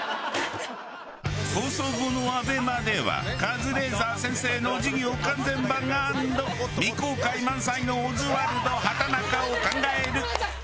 放送後のＡＢＥＭＡではカズレーザー先生の授業完全版アンド未公開満載のオズワルド畠中を考える。